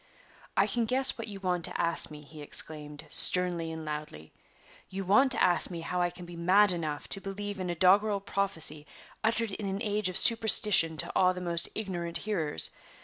"I can guess what you want to ask me," he exclaimed, sternly and loudly; "you want to ask me how I can be mad enough to believe in a doggerel prophecy uttered in an age of superstition to awe the most ignorant hearers.